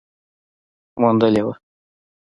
موندلې وه